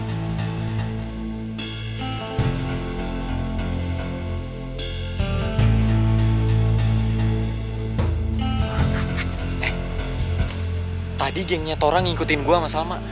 eh tadi gengnya tora ngikutin gue sama sama